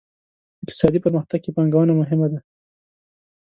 اقتصادي پرمختګ کې پانګونه مهمه ده.